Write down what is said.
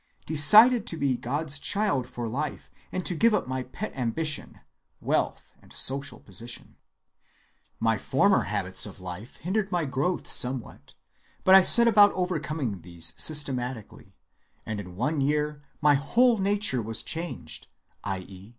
Decided to be God's child for life, and to give up my pet ambition, wealth and social position. My former habits of life hindered my growth somewhat, but I set about overcoming these systematically, and in one year my whole nature was changed, i.e.